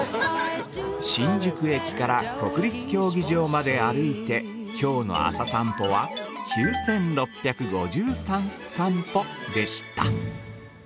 ◆新宿駅から国立競技場まで歩いて、きょうの朝さんぽは９６５３さん歩でした。